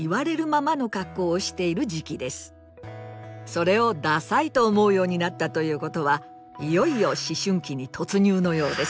それを「ダサい」と思うようになったということはいよいよ思春期に突入のようです。